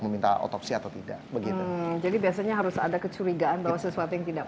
meminta otopsi atau tidak begitu jadi biasanya harus ada kecurigaan bahwa sesuatu yang tidak